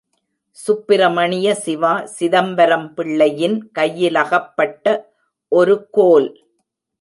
சுப்பிரமணிய சிவா, சிதம்பரம் பிள்ளையின் கையிலகப்பட்ட ஒரு கோல்.